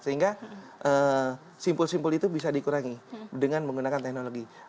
sehingga simpul simpul itu bisa dikurangi dengan menggunakan teknologi